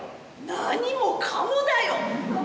「何もかもだよ！」